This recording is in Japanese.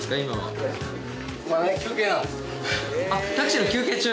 あっタクシーの休憩中？